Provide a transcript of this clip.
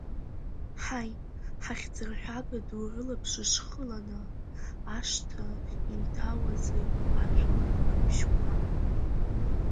Ҳаи, ҳахьӡырҳәага ду рылабжыш хыланы, ашҭа инҭауазырт ажәлар рыбжьқәа.